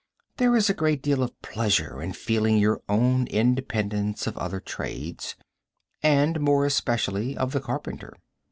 There is a great deal of pleasure in feeling your own independence of other trades, and more especially of the carpenter.